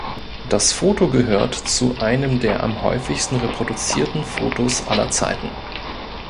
Das Foto gehört zu einem der am häufigsten reproduzierten Fotos aller Zeiten.